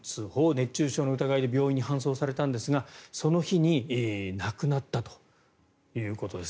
熱中症の疑いで病院に搬送されたんですがその日に亡くなったということです。